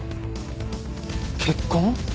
血痕？